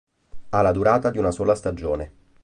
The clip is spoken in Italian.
Ha la durata di una sola stagione.